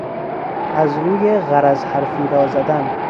از روی غرض حرفی را زدن